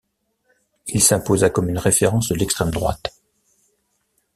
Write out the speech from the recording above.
Il s'imposa comme une référence de l'extrême droite.